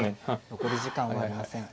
残り時間はありません。